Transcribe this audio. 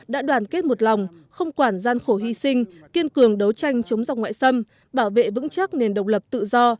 đã đoàn kết một lòng không quản gian khổ hy sinh kiên cường đấu tranh chống giọng ngoại xâm bảo vệ vững chắc nền độc lập tự do